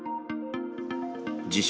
自称